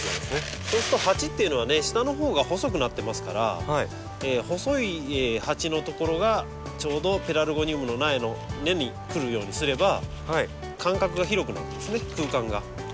そうすると鉢っていうのはね下のほうが細くなってますから細い鉢の所がちょうどペラルゴニウムの苗の根に来るようにすれば間隔が広くなるんですね空間が。